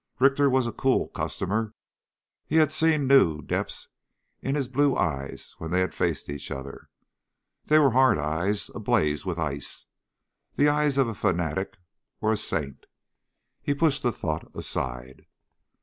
Richter was a cool customer. He had seen new depths in his blue eyes when they had faced each other. They were hard eyes, ablaze with ice ... the eyes of a fanatic or a saint. He pushed the thought aside.